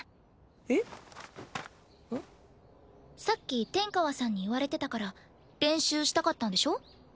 さっき天川さんに言われてたから練習したかったんでしょ？